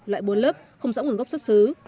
loại bốn lớp không rõ nguồn gốc xuất xứ